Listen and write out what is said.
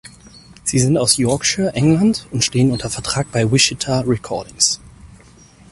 Sie sind aus Yorkshire, England und stehen unter Vertrag bei Wichita Recordings.